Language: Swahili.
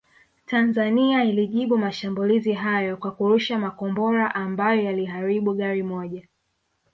Tanzania ilijibu mashambulizi hayo kwa kurusha makombora ambayo yaliharibu gari moja